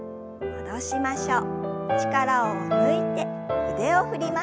戻しましょう。